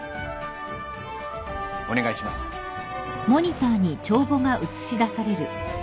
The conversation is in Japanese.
お願いします。